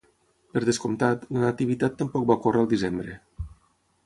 Per descomptat, la Nativitat tampoc va ocórrer al desembre.